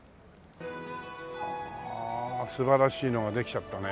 はあ素晴らしいのができちゃったね。